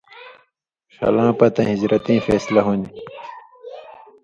ݜلَاں پتَیں، ہِجرتیں فېصلہ ہُوۡن٘دیۡ۔